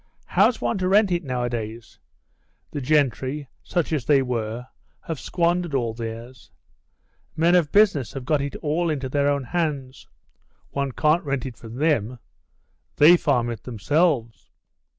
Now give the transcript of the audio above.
"How's one to rent it nowadays? The gentry, such as they were, have squandered all theirs. Men of business have got it all into their own hands. One can't rent it from them. They farm it themselves.